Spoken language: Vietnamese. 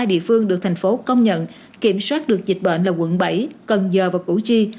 ba địa phương được tp hcm công nhận kiểm soát được dịch bệnh là quận bảy cần giờ và củ chi